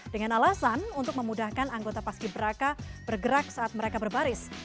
dengan alasan untuk memudahkan anggota paski beraka bergerak saat mereka berbaris